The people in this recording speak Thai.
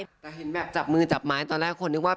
แต่เห็นแบบจับมือจับไม้ตอนแรกคนนึกว่า